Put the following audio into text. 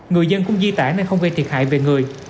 người dân cũng di tản nên không gây thiệt hại về người